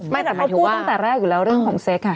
ไม่แต่พูดตอนแรกอยู่แล้วเรื่องของเซ็กอะ